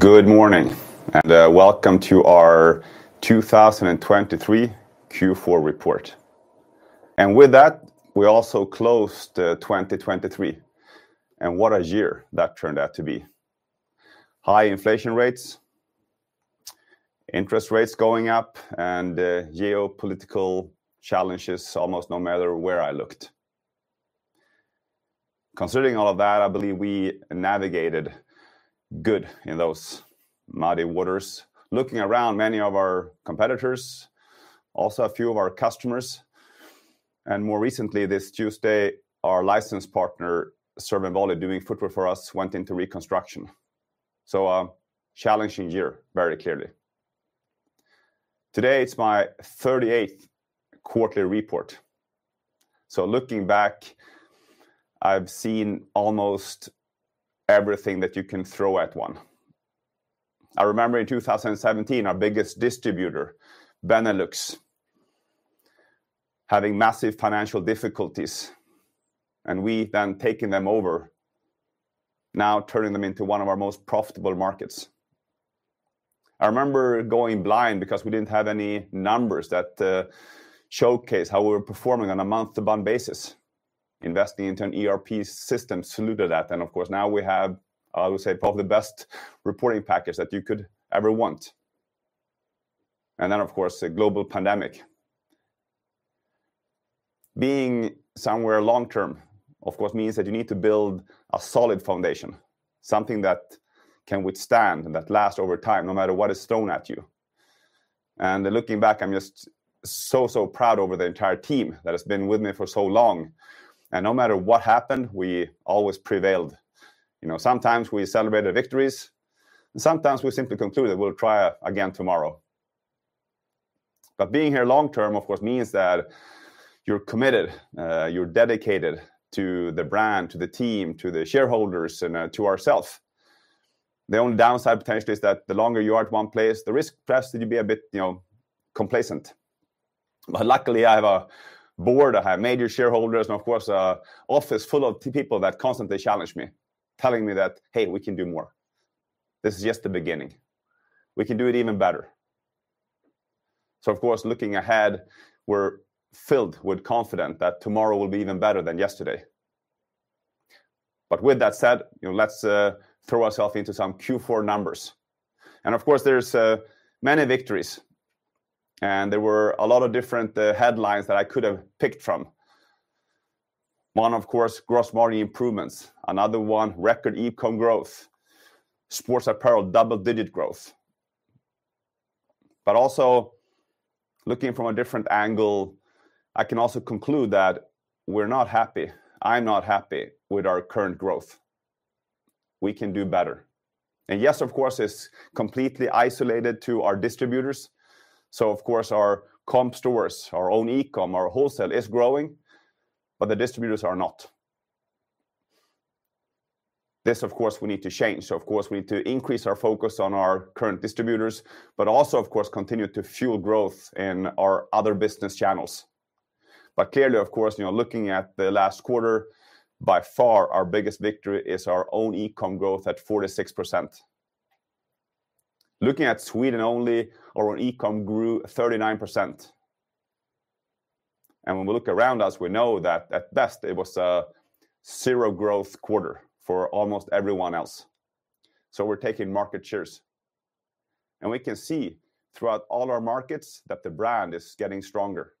Good morning, and welcome to our 2023 Q4 report. And with that, we also closed 2023, and what a year that turned out to be. High inflation rates, interest rates going up, and geopolitical challenges almost no matter where I looked. Considering all of that, I believe we navigated good in those muddy waters, looking around many of our competitors, also a few of our customers. And more recently, this Tuesday, our licensed partner, Serve & Volley, doing footwear for us, went into reconstruction. So, a challenging year, very clearly. Today, it's my 38th quarterly report. So, looking back, I've seen almost everything that you can throw at one. I remember in 2017, our biggest distributor, Benelux, having massive financial difficulties, and we then taking them over, now turning them into one of our most profitable markets. I remember going blind because we didn't have any numbers that showcase how we were performing on a month-to-month basis. Investing into an ERP system solved that, and of course, now we have, I would say, probably the best reporting package that you could ever want, and then, of course, a global pandemic. Being somewhere long-term, of course, means that you need to build a solid foundation, something that can withstand, that lasts over time, no matter what is thrown at you, and looking back, I'm just so, so proud over the entire team that has been with me for so long, and no matter what happened, we always prevailed. You know, sometimes we celebrate the victories, and sometimes we simply conclude that we'll try again tomorrow. But being here long-term, of course, means that you're committed, you're dedicated to the brand, to the team, to the shareholders, and to ourselves. The only downside, potentially, is that the longer you are at one place, the risk pressed you to be a bit, you know, complacent. But luckily, I have a board, I have major shareholders, and of course, an office full of people that constantly challenge me, telling me that, "Hey, we can do more. This is just the beginning. We can do it even better." So, of course, looking ahead, we're filled with confidence that tomorrow will be even better than yesterday. But with that said, you know, let's throw ourselves into some Q4 numbers. And of course, there's many victories, and there were a lot of different headlines that I could have picked from. One, of course, gross margin improvements. Another one, record e-com growth. Sports apparel, double-digit growth. But also, looking from a different angle, I can also conclude that we're not happy. I'm not happy with our current growth. We can do better. And yes, of course, it's completely isolated to our distributors. So, of course, our comp stores, our own e-com, our wholesale is growing, but the distributors are not. This, of course, we need to change. So, of course, we need to increase our focus on our current distributors, but also, of course, continue to fuel growth in our other business channels. But clearly, of course, you know, looking at the last quarter, by far our biggest victory is our own e-com growth at 46%. Looking at Sweden only, our own e-com grew 39%. And when we look around us, we know that at best it was a zero growth quarter for almost everyone else. So we're taking market shares. And we can see throughout all our markets that the brand is getting stronger,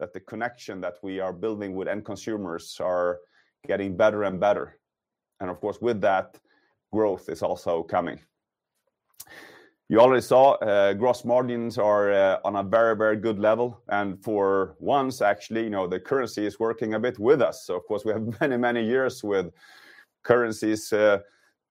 that the connection that we are building with end consumers is getting better and better. And of course, with that, growth is also coming. You already saw gross margins are on a very, very good level. And for once, actually, you know, the currency is working a bit with us. So, of course, we have many, many years with currencies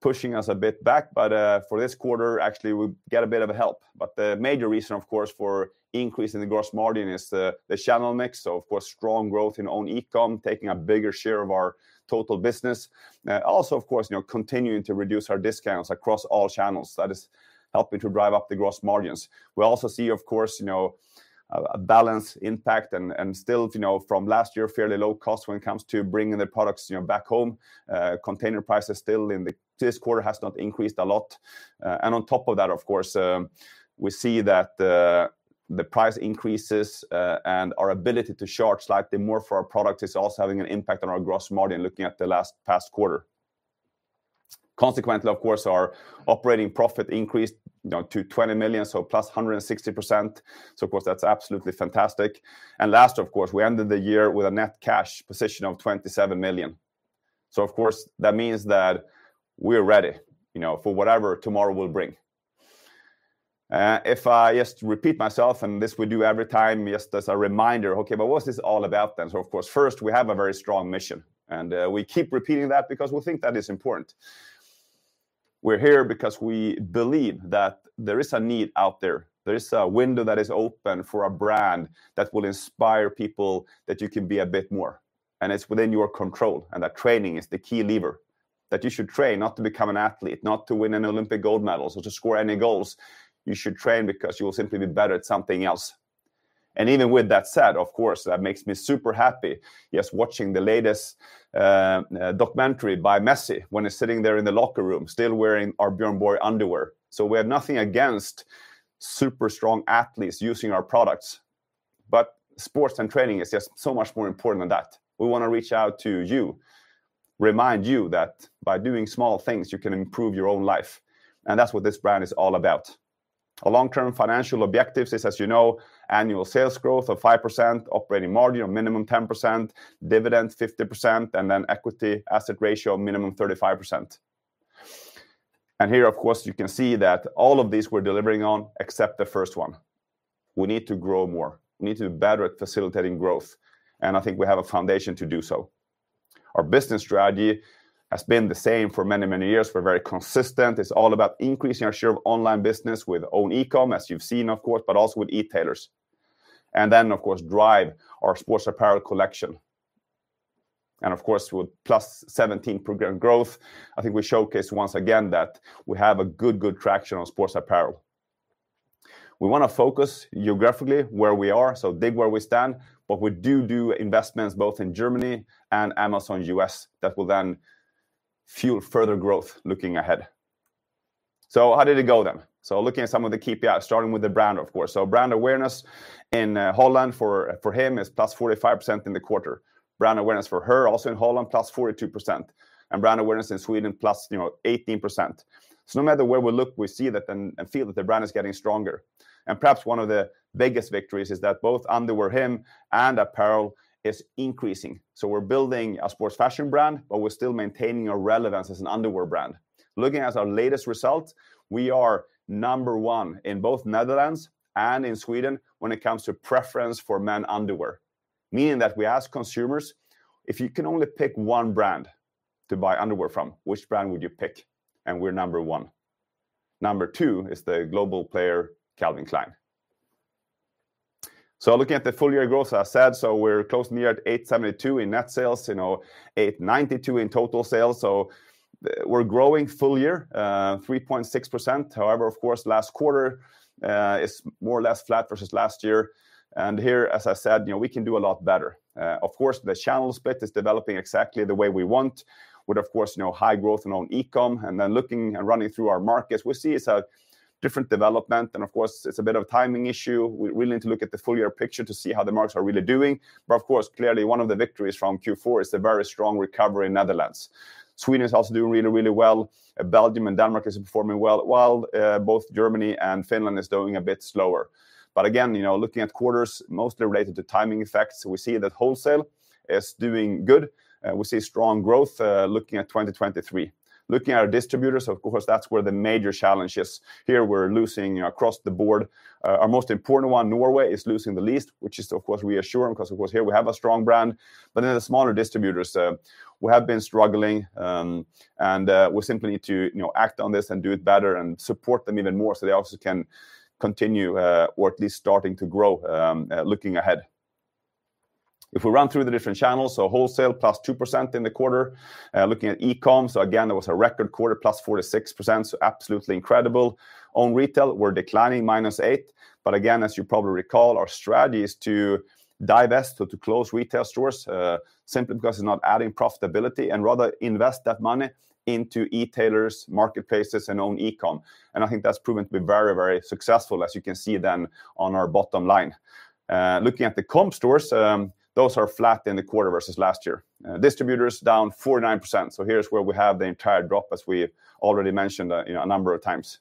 pushing us a bit back. But for this quarter, actually, we get a bit of a help. But the major reason, of course, for increasing the gross margin is the channel mix. So, of course, strong growth in own e-com, taking a bigger share of our total business. Also, of course, you know, continuing to reduce our discounts across all channels. That is helping to drive up the gross margins. We also see, of course, you know, a balanced impact and still, you know, from last year, fairly low cost when it comes to bringing the products, you know, back home. Container prices still in this quarter have not increased a lot. And on top of that, of course, we see that the price increases and our ability to charge slightly more for our products is also having an impact on our gross margin looking at the last past quarter. Consequently, of course, our operating profit increased, you know, to 20 million, so plus 160%. So, of course, that's absolutely fantastic. And last, of course, we ended the year with a net cash position of 27 million. So, of course, that means that we're ready, you know, for whatever tomorrow will bring. If I just repeat myself, and this we do every time, just as a reminder, okay, but what was this all about then? So, of course, first, we have a very strong mission, and we keep repeating that because we think that is important. We're here because we believe that there is a need out there. There is a window that is open for a brand that will inspire people that you can be a bit more. And it's within your control, and that training is the key lever that you should train, not to become an athlete, not to win an Olympic gold medal, so to score any goals. You should train because you will simply be better at something else. Even with that said, of course, that makes me super happy, yes, watching the latest documentary by Messi when he's sitting there in the locker room, still wearing our Björn Borg underwear. So we have nothing against super strong athletes using our products, but sports and training is just so much more important than that. We want to reach out to you, remind you that by doing small things, you can improve your own life. That's what this brand is all about. Our long-term financial objectives is, as you know, annual sales growth of 5%, operating margin of minimum 10%, dividend 50%, and then equity asset ratio of minimum 35%. Here, of course, you can see that all of these we're delivering on, except the first one. We need to grow more. We need to be better at facilitating growth. I think we have a foundation to do so. Our business strategy has been the same for many, many years. We're very consistent. It's all about increasing our share of online business with own e-com, as you've seen, of course, but also with e-tailers. And then, of course, drive our sports apparel collection. And of course, with plus 17% growth, I think we showcase once again that we have a good, good traction on sports apparel. We want to focus geographically where we are, so dig where we stand, but we do do investments both in Germany and Amazon US that will then fuel further growth looking ahead. So how did it go then? So looking at some of the key pieces, starting with the brand, of course. So brand awareness in Holland for him is plus 45% in the quarter. Brand awareness for her also in Holland plus 42%. And brand awareness in Sweden plus, you know, 18%. So no matter where we look, we see that and feel that the brand is getting stronger. And perhaps one of the biggest victories is that both underwear and apparel is increasing. So we're building a sports fashion brand, but we're still maintaining our relevance as an underwear brand. Looking at our latest results, we are number one in both Netherlands and in Sweden when it comes to preference for men's underwear. Meaning that we ask consumers, if you can only pick one brand to buy underwear from, which brand would you pick? And we're number one. Number two is the global player, Calvin Klein. So looking at the full year growth, as I said, so we're close near at 872 in net sales, you know, 892 in total sales. We're growing full year 3.6%. However, of course, last quarter is more or less flat versus last year. And here, as I said, you know, we can do a lot better. Of course, the channel split is developing exactly the way we want, with, of course, you know, high growth in own e-com. And then looking and running through our markets, we see it's a different development. And of course, it's a bit of a timing issue. We really need to look at the full year picture to see how the markets are really doing. But of course, clearly, one of the victories from Q4 is the very strong recovery in Netherlands. Sweden is also doing really, really well. Belgium and Denmark are performing well, while both Germany and Finland are doing a bit slower. But again, you know, looking at quarters, mostly related to timing effects, we see that wholesale is doing good. We see strong growth looking at 2023. Looking at our distributors, of course, that's where the major challenge is. Here we're losing across the board. Our most important one, Norway, is losing the least, which is, of course, reassuring because, of course, here we have a strong brand. But then the smaller distributors, we have been struggling, and we simply need to, you know, act on this and do it better and support them even more so they also can continue or at least starting to grow looking ahead. If we run through the different channels, so wholesale plus 2% in the quarter. Looking at e-com, so again, that was a record quarter, plus 46%, so absolutely incredible. Own retail, we're declining minus 8%. But again, as you probably recall, our strategy is to divest, so to close retail stores simply because it's not adding profitability and rather invest that money into e-tailers, marketplaces, and own e-com. And I think that's proven to be very, very successful, as you can see then on our bottom line. Looking at the comp stores, those are flat in the quarter versus last year. Distributors down 49%. So here's where we have the entire drop, as we already mentioned, you know, a number of times.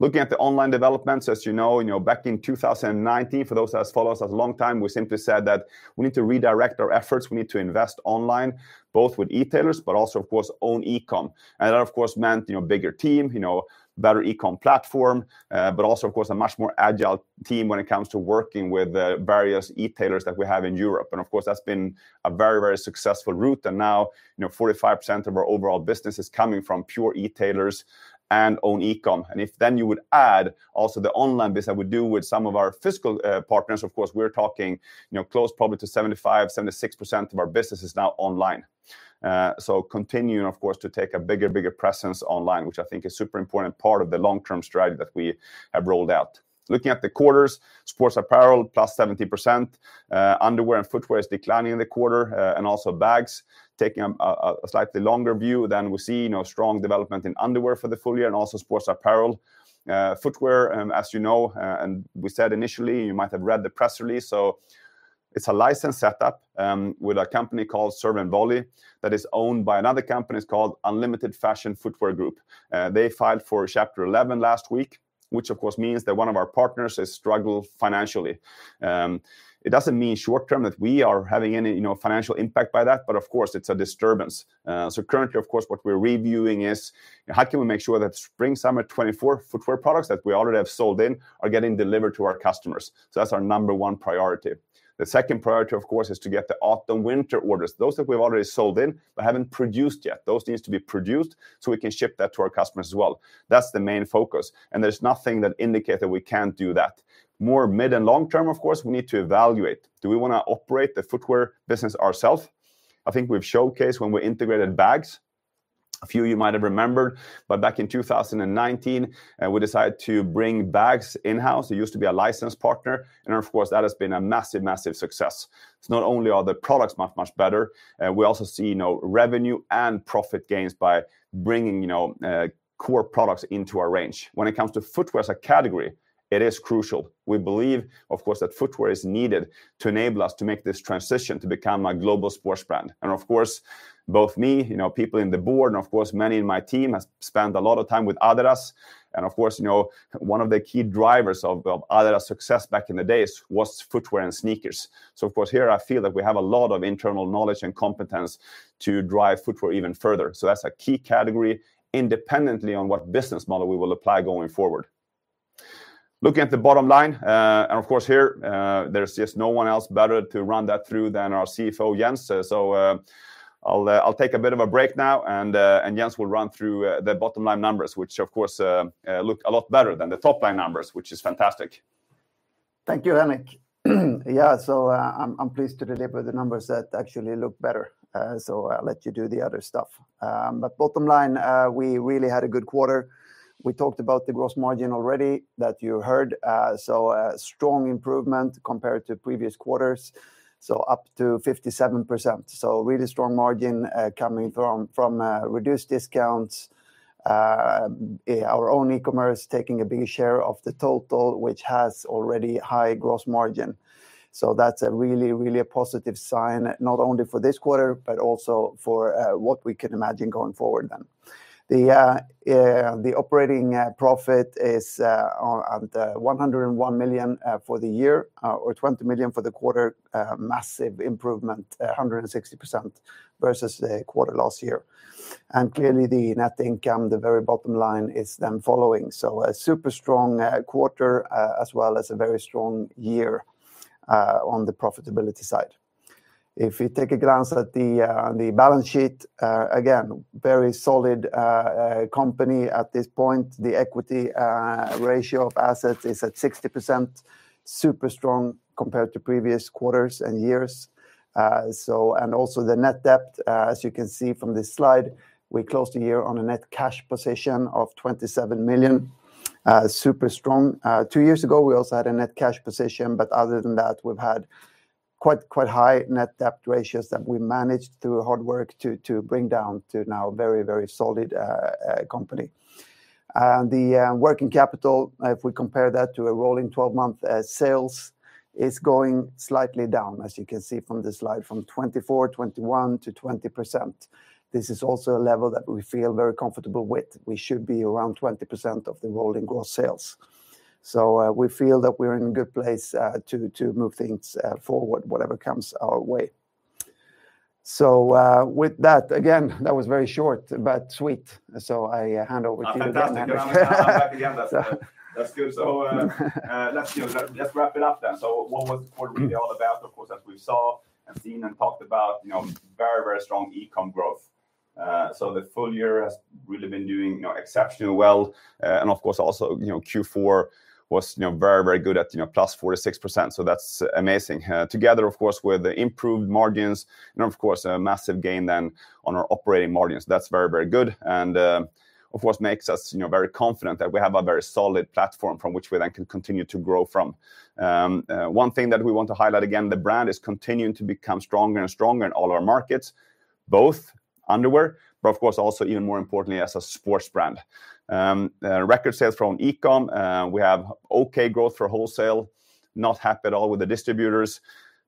Looking at the online developments, as you know, you know, back in 2019, for those that have followed us a long time, we simply said that we need to redirect our efforts. We need to invest online, both with e-tailers, but also, of course, own e-com. And that, of course, meant, you know, bigger team, you know, better e-com platform, but also, of course, a much more agile team when it comes to working with various e-tailers that we have in Europe. And of course, that's been a very, very successful route. And now, you know, 45% of our overall business is coming from pure e-tailers and own e-com. And if then you would add also the online business that we do with some of our wholesale partners, of course, we're talking, you know, close probably to 75%, 76% of our business is now online. So continuing, of course, to take a bigger, bigger presence online, which I think is a super important part of the long-term strategy that we have rolled out. Looking at the quarters, sports apparel, plus 70%. Underwear and footwear is declining in the quarter, and also bags, taking a slightly longer view. Then we see, you know, strong development in underwear for the full year and also sports apparel. Footwear, as you know, and we said initially, you might have read the press release, so it's a licensed setup with a company called Serve & Volley that is owned by another company called Unlimited Footwear Group. They filed for Chapter 11 last week, which of course means that one of our partners is struggling financially. It doesn't mean short term that we are having any, you know, financial impact by that, but of course it's a disturbance. So currently, of course, what we're reviewing is how can we make sure that spring summer 24 footwear products that we already have sold in are getting delivered to our customers. So that's our number one priority. The second priority, of course, is to get the autumn winter orders. Those that we've already sold in but haven't produced yet, those need to be produced so we can ship that to our customers as well. That's the main focus, and there's nothing that indicates that we can't do that. More mid and long term, of course, we need to evaluate. Do we want to operate the footwear business ourself? I think we've showcased when we integrated bags. A few of you might have remembered, but back in 2019, we decided to bring bags in-house. It used to be a licensed partner, and of course, that has been a massive, massive success. It's not only are the products much, much better. We also see, you know, revenue and profit gains by bringing, you know, core products into our range. When it comes to footwear as a category, it is crucial. We believe, of course, that footwear is needed to enable us to make this transition to become a global sports brand. And of course, both me, you know, people in the board, and of course, many in my team have spent a lot of time with Adidas. And of course, you know, one of the key drivers of Adidas' success back in the days was footwear and sneakers. So of course, here I feel that we have a lot of internal knowledge and competence to drive footwear even further. So that's a key category independently on what business model we will apply going forward. Looking at the bottom line, and of course here, there's just no one else better to run that through than our CFO, Jens. So I'll take a bit of a break now, and Jens will run through the bottom line numbers, which of course look a lot better than the top line numbers, which is fantastic. Thank you, Henrik. Yeah, so I'm pleased to deliver the numbers that actually look better. So I'll let you do the other stuff. But bottom line, we really had a good quarter. We talked about the gross margin already that you heard. So a strong improvement compared to previous quarters. So up to 57%. So really strong margin coming from reduced discounts. Our own e-commerce taking a bigger share of the total, which has already high gross margin. So that's a really, really a positive sign, not only for this quarter, but also for what we can imagine going forward then. The operating profit is at 101 million for the year or 20 million for the quarter. Massive improvement, 160% versus the quarter last year. And clearly the net income, the very bottom line is then following. So a super strong quarter as well as a very strong year on the profitability side. If you take a glance at the balance sheet, again, very solid company at this point. The equity ratio of assets is at 60%. Super strong compared to previous quarters and years. So, and also the net debt, as you can see from this slide, we closed the year on a net cash position of 27 million. Super strong. Two years ago, we also had a net cash position, but other than that, we've had quite, quite high net debt ratios that we managed through hard work to bring down to now a very, very solid company. The working capital, if we compare that to a rolling 12-month sales, is going slightly down, as you can see from this slide, from 24.21%-20%. This is also a level that we feel very comfortable with. We should be around 20% of the rolling gross sales. We feel that we're in a good place to move things forward, whatever comes our way. With that, again, that was very short, but sweet. I hand over to you, Henrik. I'm happy to hand that. That's good. Let's wrap it up then. What was the quarter really all about? Of course, as we saw and seen and talked about, you know, very, very strong e-com growth. The full year has really been doing, you know, exceptionally well. And of course, also, you know, Q4 was, you know, very, very good at, you know, +46%. So that's amazing. Together, of course, with the improved margins and of course, a massive gain then on our operating margins. That's very, very good. And of course makes us, you know, very confident that we have a very solid platform from which we then can continue to grow from. One thing that we want to highlight again, the brand is continuing to become stronger and stronger in all our markets, both underwear, but of course, also even more importantly as a sports brand. Record sales from e-com. We have okay growth for wholesale. Not happy at all with the distributors.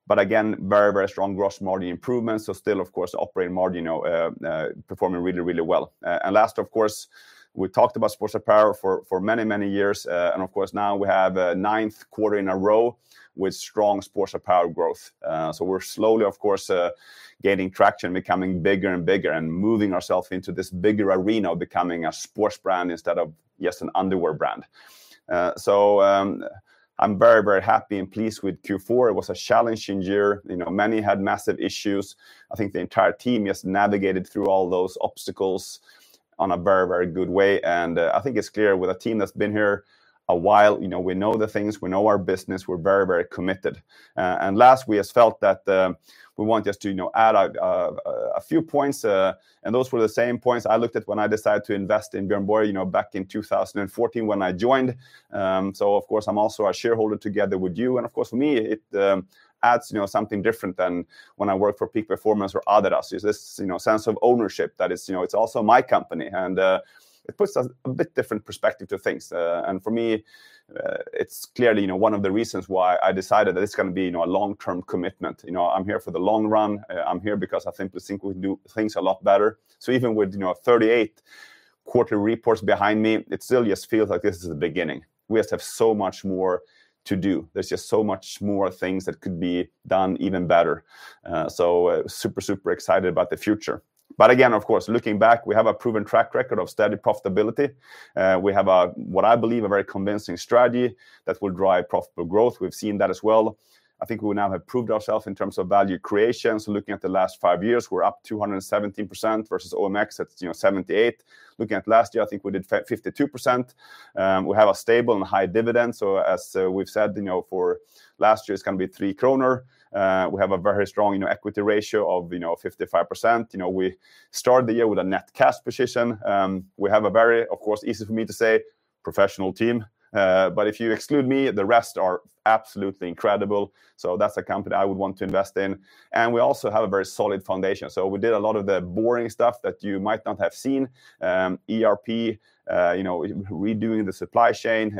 But again, very, very strong gross margin improvement. So still, of course, operating margin, you know, performing really, really well. And last, of course, we talked about sports apparel for many, many years. And of course, now we have a ninth quarter in a row with strong sports apparel growth. So we're slowly, of course, gaining traction, becoming bigger and bigger and moving ourselves into this bigger arena of becoming a sports brand instead of just an underwear brand. So I'm very, very happy and pleased with Q4. It was a challenging year. You know, many had massive issues. I think the entire team has navigated through all those obstacles on a very, very good way. And I think it's clear with a team that's been here a while, you know, we know the things, we know our business, we're very, very committed. And last, we have felt that we want just to, you know, add a few points. Those were the same points I looked at when I decided to invest in Björn Borg, you know, back in 2014 when I joined. So of course, I'm also a shareholder together with you. Of course, for me, it adds, you know, something different than when I work for Peak Performance or Adidas. It's this, you know, sense of ownership that is, you know, it's also my company and it puts a bit different perspective to things. For me, it's clearly, you know, one of the reasons why I decided that it's going to be, you know, a long-term commitment. You know, I'm here for the long run. I'm here because I simply think we do things a lot better. Even with, you know, 38 quarter reports behind me, it still just feels like this is the beginning. We just have so much more to do. There's just so much more things that could be done even better. So super, super excited about the future. But again, of course, looking back, we have a proven track record of steady profitability. We have a, what I believe, a very convincing strategy that will drive profitable growth. We've seen that as well. I think we now have proved ourselves in terms of value creation. So looking at the last five years, we're up 217% versus OMX at, you know, 78%. Looking at last year, I think we did 52%. We have a stable and high dividend. So as we've said, you know, for last year, it's going to be 3 kronor. We have a very strong, you know, equity ratio of, you know, 55%. You know, we start the year with a net cash position. We have a very, of course, easy for me to say professional team. But if you exclude me, the rest are absolutely incredible. So that's a company I would want to invest in. And we also have a very solid foundation. So we did a lot of the boring stuff that you might not have seen. ERP, you know, redoing the supply chain,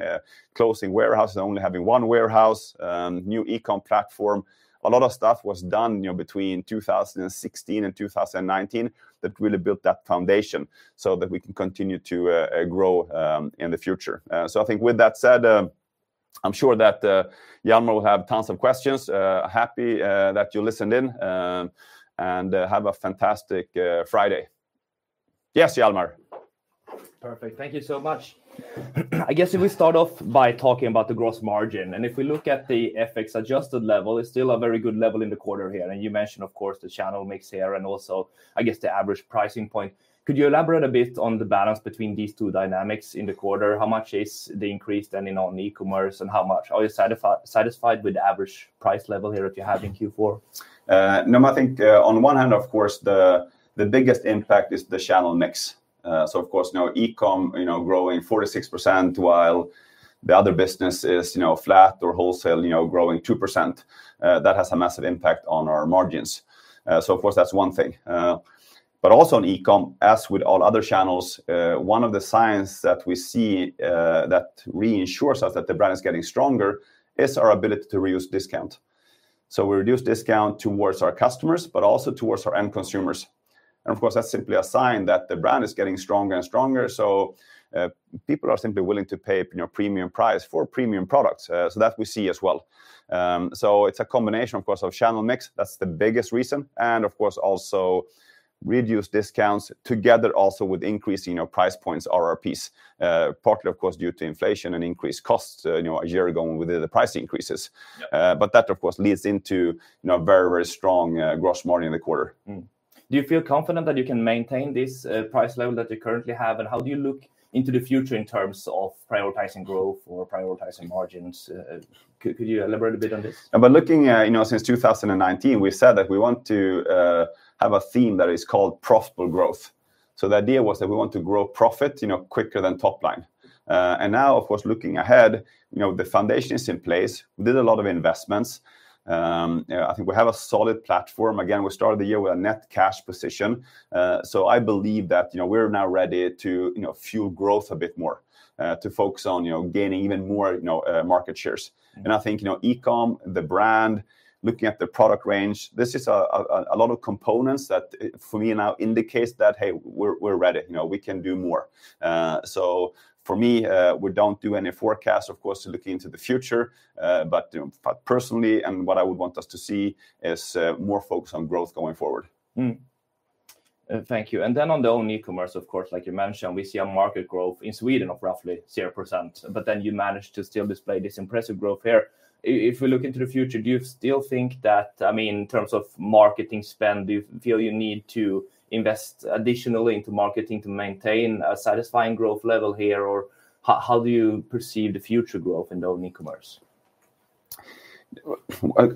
closing warehouses, only having one warehouse, new e-com platform. A lot of stuff was done, you know, between 2016 and 2019 that really built that foundation so that we can continue to grow in the future. So I think with that said, I'm sure that Jelmer will have tons of questions. Happy that you listened in and have a fantastic Friday. Yes, Jelmer. Perfect. Thank you so much. I guess if we start off by talking about the gross margin and if we look at the FX adjusted level, it's still a very good level in the quarter here. You mentioned, of course, the channel mix here and also, I guess, the average pricing point. Could you elaborate a bit on the balance between these two dynamics in the quarter? How much is the increase then in own e-commerce and how much? Are you satisfied with the average price level here that you have in Q4? No, I think on one hand, of course, the biggest impact is the channel mix. So of course, you know, e-com, you know, growing 46% while the other business is, you know, flat or wholesale, you know, growing 2%. That has a massive impact on our margins. So of course, that's one thing. But also on e-com, as with all other channels, one of the signs that we see that reassures us that the brand is getting stronger is our ability to reduce discount. So we reduce discount towards our customers, but also towards our end consumers. And of course, that's simply a sign that the brand is getting stronger and stronger. So people are simply willing to pay a premium price for premium products. So that we see as well. So it's a combination, of course, of channel mix. That's the biggest reason. And of course, also reduce discounts together also with increasing your price points, RRPs, partly, of course, due to inflation and increased costs, you know, a year ago with the price increases. But that, of course, leads into a very, very strong gross margin in the quarter. Do you feel confident that you can maintain this price level that you currently have? And how do you look into the future in terms of prioritizing growth or prioritizing margins? Could you elaborate a bit on this? But looking, you know, since 2019, we said that we want to have a theme that is called profitable growth. So the idea was that we want to grow profit, you know, quicker than top line. And now, of course, looking ahead, you know, the foundation is in place. We did a lot of investments. I think we have a solid platform. Again, we started the year with a net cash position. So I believe that, you know, we're now ready to, you know, fuel growth a bit more to focus on, you know, gaining even more, you know, market shares. And I think, you know, e-com, the brand, looking at the product range, this is a lot of components that for me now indicates that, hey, we're ready, you know, we can do more. So for me, we don't do any forecast, of course, to look into the future. But personally, and what I would want us to see is more focus on growth going forward. Thank you. And then on the own e-commerce, of course, like you mentioned, we see a market growth in Sweden of roughly 0%. But then you managed to still display this impressive growth here. If we look into the future, do you still think that, I mean, in terms of marketing spend, do you feel you need to invest additionally into marketing to maintain a satisfying growth level here? Or how do you perceive the future growth in the own e-commerce?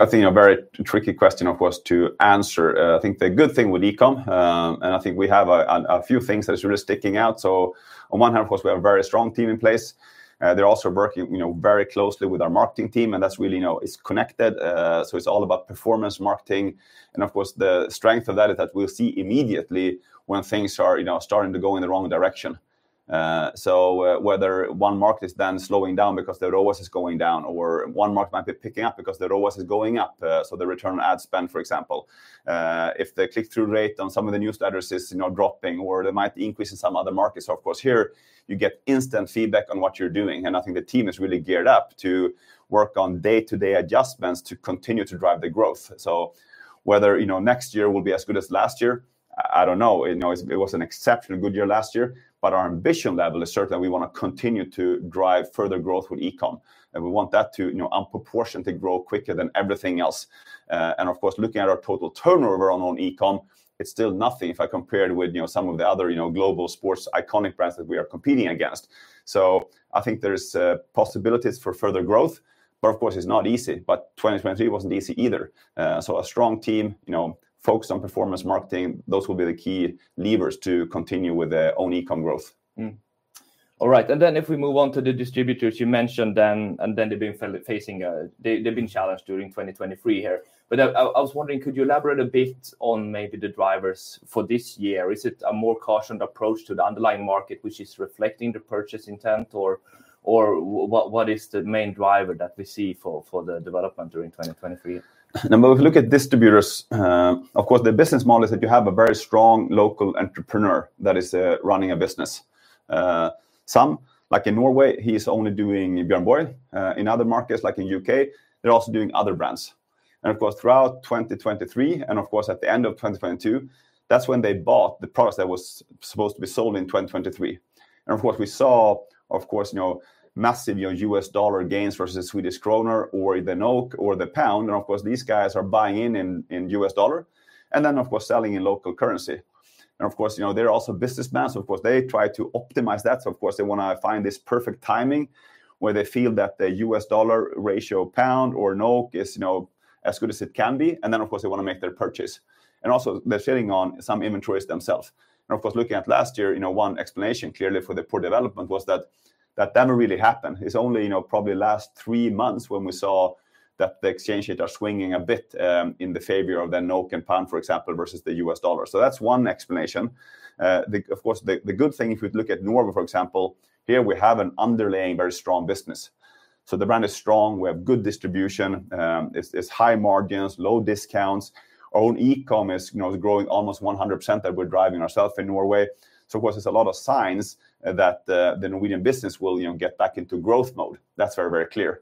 I think a very tricky question, of course, to answer. I think the good thing with e-com, and I think we have a few things that are really sticking out. So on one hand, of course, we have a very strong team in place. They're also working, you know, very closely with our marketing team. And that's really, you know, it's connected. So it's all about performance marketing. And of course, the strength of that is that we'll see immediately when things are, you know, starting to go in the wrong direction. So whether one market is then slowing down because the ROAS is going down or one market might be picking up because the ROAS is going up. So the return on ad spend, for example. If the click-through rate on some of the newsletters is, you know, dropping or there might be increases in some other markets, of course, here you get instant feedback on what you're doing. And I think the team is really geared up to work on day-to-day adjustments to continue to drive the growth. So whether, you know, next year will be as good as last year, I don't know. You know, it was an exceptionally good year last year. But our ambition level is certainly we want to continue to drive further growth with e-com. And we want that to, you know, disproportionately grow quicker than everything else. And of course, looking at our total turnover on own e-com, it's still nothing if I compare it with, you know, some of the other, you know, global sports iconic brands that we are competing against. So I think there's possibilities for further growth. But of course, it's not easy. But 2023 wasn't easy either. So a strong team, you know, focused on performance marketing, those will be the key levers to continue with own e-com growth. All right. And then, if we move on to the distributors you mentioned then, and then they've been facing, they've been challenged during 2023 here. But I was wondering, could you elaborate a bit on maybe the drivers for this year? Is it a more cautioned approach to the underlying market, which is reflecting the purchase intent? Or what is the main driver that we see for the development during 2023? No, but if we look at distributors, of course, the business model is that you have a very strong local entrepreneur that is running a business. Some, like in Norway, he's only doing Björn Borg. In other markets, like in the U.K., they're also doing other brands. And of course, throughout 2023, and of course, at the end of 2022, that's when they bought the product that was supposed to be sold in 2023. Of course, we saw, of course, you know, massive US dollar gains versus the Swedish krona or the NOK or the pound. Of course, these guys are buying in US dollar and then, of course, selling in local currency. Of course, you know, they're also businessmen. Of course, they try to optimize that. Of course, they want to find this perfect timing where they feel that the US dollar ratio pound or NOK is, you know, as good as it can be. Of course, they want to make their purchase. Also they're shedding on some inventories themselves. Of course, looking at last year, you know, one explanation clearly for the poor development was that that never really happened. It's only, you know, probably last three months when we saw that the exchange rates are swinging a bit in the favor of the NOK and pound, for example, versus the U.S. dollar. So that's one explanation. Of course, the good thing, if we look at Norway, for example, here we have an underlying very strong business. So the brand is strong. We have good distribution. It's high margins, low discounts. Our own e-com is, you know, growing almost 100% that we're driving ourselves in Norway. So, of course, there's a lot of signs that the Norwegian business will, you know, get back into growth mode. That's very, very clear.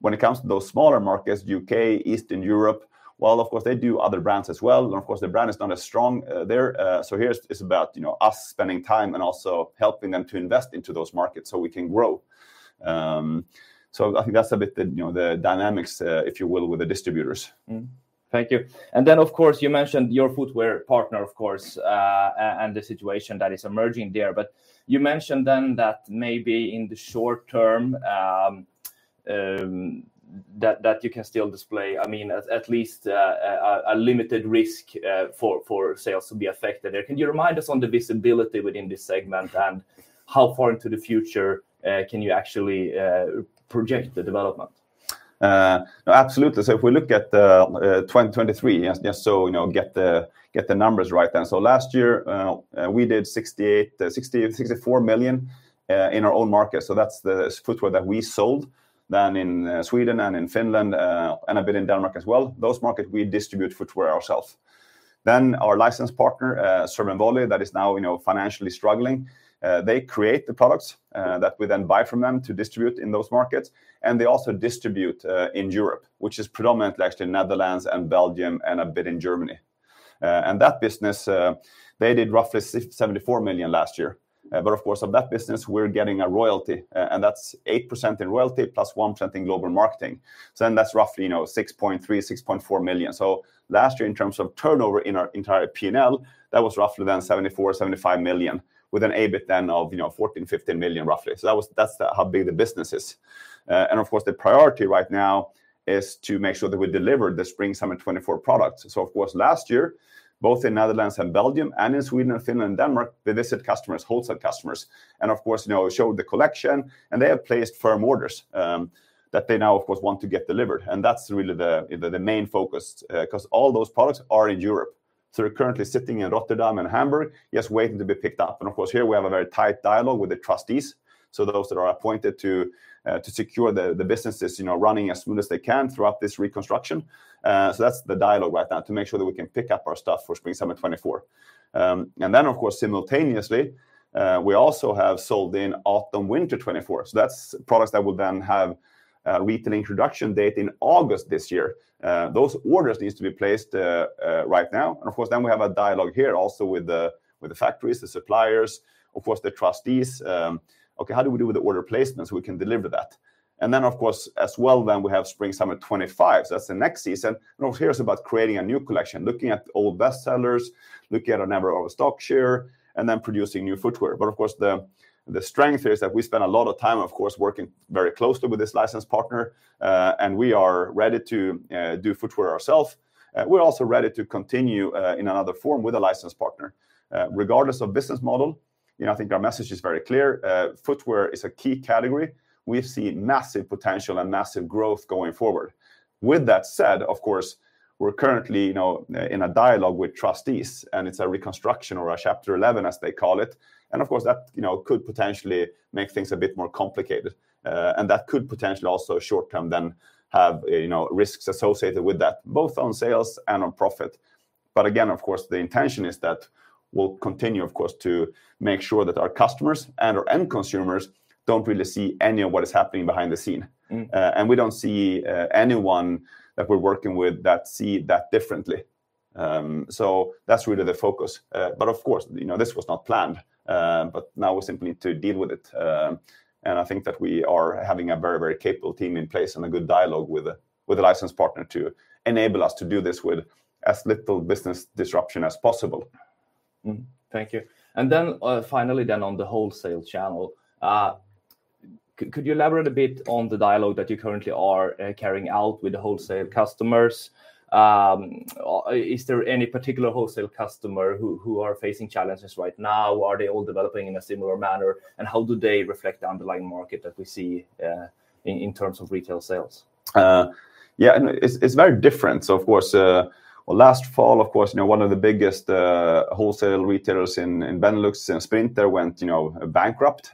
When it comes to those smaller markets, U.K., Eastern Europe, well, of course, they do other brands as well. And of course, the brand is not as strong there. So here it's about, you know, us spending time and also helping them to invest into those markets so we can grow. So I think that's a bit the, you know, the dynamics, if you will, with the distributors. Thank you. And then, of course, you mentioned your footwear partner, of course, and the situation that is emerging there. But you mentioned then that maybe in the short term that you can still display, I mean, at least a limited risk for sales to be affected there. Can you remind us on the visibility within this segment and how far into the future can you actually project the development? Absolutely. So if we look at 2023, just so, you know, get the numbers right then. So last year, we did 68.64 million in our own market. That's the footwear that we sold then in Sweden and in Finland and a bit in Denmark as well. Those markets we distribute footwear ourselves. Our licensed partner, Serve & Volley, that is now, you know, financially struggling, they create the products that we then buy from them to distribute in those markets. They also distribute in Europe, which is predominantly actually Netherlands and Belgium and a bit in Germany. That business, they did roughly 74 million last year. Of course, of that business, we're getting a royalty and that's 8% in royalty plus 1% in global marketing. That's roughly, you know, 6.3-6.4 million. Last year, in terms of turnover in our entire P&L, that was roughly then 74-75 million with an EBIT then of, you know, 14-15 million roughly. That was, that's how big the business is. And of course, the priority right now is to make sure that we deliver the Spring/Summer 24 products, so of course, last year, both in Netherlands and Belgium and in Sweden and Finland and Denmark, they visit customers, wholesale customers, and of course, you know, showed the collection and they have placed firm orders that they now, of course, want to get delivered, and that's really the main focus because all those products are in Europe, so they're currently sitting in Rotterdam and Hamburg, just waiting to be picked up, and of course, here we have a very tight dialogue with the trustees, so those that are appointed to secure the businesses, you know, running as smooth as they can throughout this reconstruction, so that's the dialogue right now to make sure that we can pick up our stuff for Spring/Summer 24. And then, of course, simultaneously, we also have sold in Autumn/Winter 24. So that's products that will then have a retail introduction date in August this year. Those orders need to be placed right now. And of course, then we have a dialogue here also with the factories, the suppliers, of course, the trustees. Okay, how do we do with the order placements so we can deliver that? And then, of course, as well, then we have Spring/Summer 25. So that's the next season. And of course, here's about creating a new collection, looking at old bestsellers, looking at a number of stock share and then producing new footwear. But of course, the strength here is that we spend a lot of time, of course, working very closely with this licensed partner. And we are ready to do footwear ourselves. We're also ready to continue in another form with a licensed partner. Regardless of business model, you know, I think our message is very clear. Footwear is a key category. We've seen massive potential and massive growth going forward. With that said, of course, we're currently, you know, in a dialogue with trustees and it's a reconstruction or a Chapter 11, as they call it. And of course, that, you know, could potentially make things a bit more complicated. And that could potentially also short term then have, you know, risks associated with that, both on sales and on profit. But again, of course, the intention is that we'll continue, of course, to make sure that our customers and our end consumers don't really see any of what is happening behind the scene. And we don't see anyone that we're working with that see that differently. So that's really the focus. But of course, you know, this was not planned, but now we simply need to deal with it. And I think that we are having a very, very capable team in place and a good dialogue with a licensed partner to enable us to do this with as little business disruption as possible. Thank you. And then finally, then on the wholesale channel, could you elaborate a bit on the dialogue that you currently are carrying out with the wholesale customers? Is there any particular wholesale customer who are facing challenges right now? Are they all developing in a similar manner? And how do they reflect the underlying market that we see in terms of retail sales? Yeah, and it's very different. So, of course, last fall, of course, you know, one of the biggest wholesale retailers in Benelux and Sprinter went, you know, bankrupt.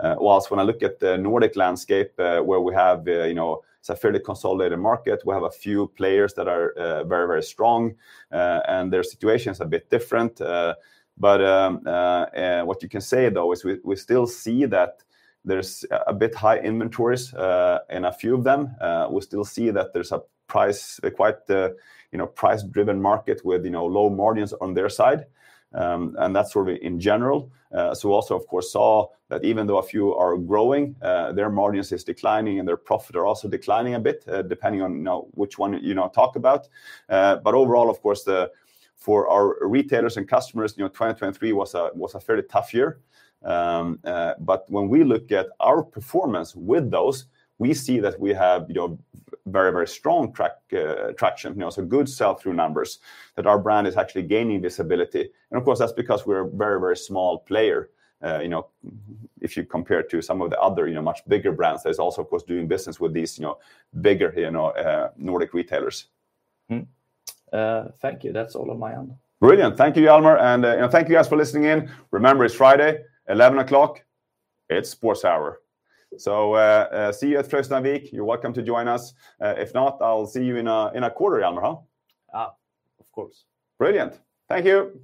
While when I look at the Nordic landscape where we have, you know, it's a fairly consolidated market, we have a few players that are very, very strong. And their situation is a bit different. But what you can say though is we still see that there's a bit high inventories in a few of them. We still see that there's a price, quite, you know, price-driven market with, you know, low margins on their side. And that's sort of in general. So we also, of course, saw that even though a few are growing, their margins are declining and their profits are also declining a bit depending on, you know, which one you know talk about. But overall, of course, for our retailers and customers, you know, 2023 was a fairly tough year. But when we look at our performance with those, we see that we have, you know, very, very strong traction, you know, so good sell-through numbers that our brand is actually gaining visibility. And of course, that's because we're a very, very small player, you know, if you compare to some of the other, you know, much bigger brands. There's also, of course, doing business with these, you know, bigger, you know, Nordic retailers. Thank you. That's all on my end. Brilliant. Thank you, Jelmer. And thank you guys for listening in. Remember, it's Friday, 11:00 A.M. It's sports hour. So see you at Frosundavik. You're welcome to join us. If not, I'll see you in a quarter, Jelmer, huh? Of course. Brilliant. Thank you.